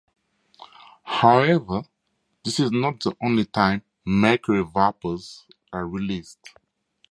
However, this is not the only time mercury vapors are released.